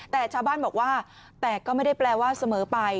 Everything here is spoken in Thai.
แต่ชาวบ้านบอกว่าแต่ก็ไม่ได้แปลว่าเสมอไป